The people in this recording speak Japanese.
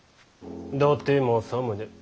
伊達政宗。